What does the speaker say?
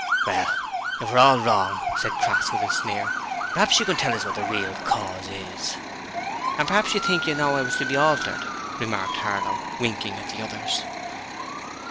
'Well, if we're all wrong,' said Crass, with a sneer, 'praps you can tell us what the real cause is?' 'An' praps you think you know how it's to be altered,' remarked Harlow, winking at the others.